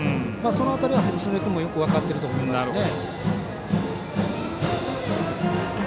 その辺りは、橋爪君もよく分かってると思いますね。